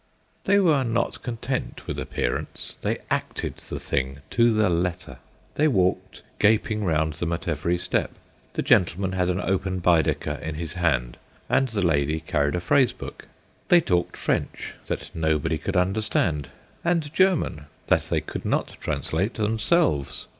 They were not content with appearance; they acted the thing to the letter. They walked gaping round them at every step. The gentleman had an open Baedeker in his hand, and the lady carried a phrase book. They talked French that nobody could understand, and German that they could not translate themselves!